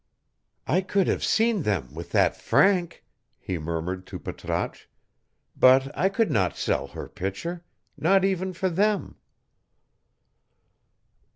"I could have seen them with that franc," he murmured to Patrasche, "but I could not sell her picture not even for them."